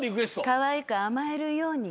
かわいく甘えるように。